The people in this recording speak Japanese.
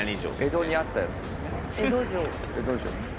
江戸にあったやつですね。